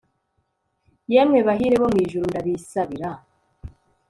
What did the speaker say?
yemwe bahire bo mu ijuru, ndabisabira